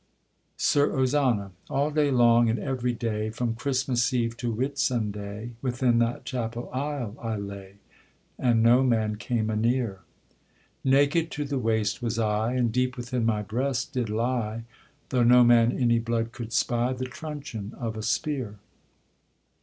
SIR OZANA. All day long and every day, From Christmas Eve to Whit Sunday, Within that Chapel aisle I lay, And no man came a near. Naked to the waist was I, And deep within my breast did lie, Though no man any blood could spy, The truncheon of a spear.